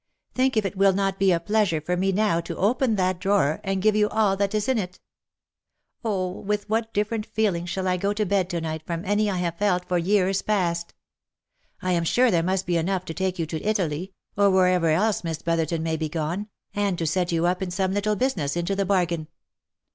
Think if it will not be a pleasure for me now to open that drawer, and give you all that is in it? Oh ! with what different feelings shall I go to bed to night from any I have felt for years past ! I am sure there must be enough to take you to Italy, or wherever else Miss Brotherton may be gone, and to set you up in some little business into the bargain.